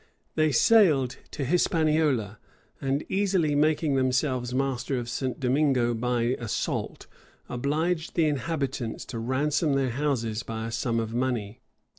They sailed to Hispaniola; and easily making themselves masters of St. Domingo by assault, obliged the inhabitants to ransom their houses by a sum of money.